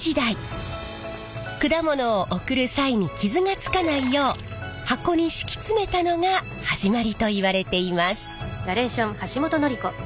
果物を贈る際に傷がつかないよう箱に敷き詰めたのが始まりといわれています。